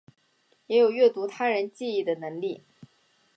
也有阅读他人记忆的能力。